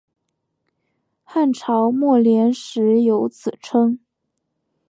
汉朝末年始有此称。